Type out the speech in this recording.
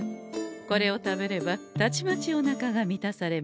これを食べればたちまちおなかが満たされましょう。